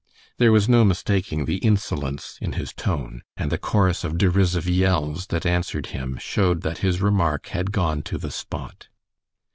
There was no mistaking the insolence in his tone, and the chorus of derisive yells that answered him showed that his remark had gone to the spot.